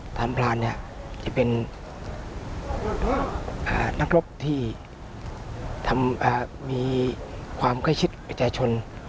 ตามพลานเนี่ยจะเป็นนักรบที่มีความใกล้ชิดประชาชน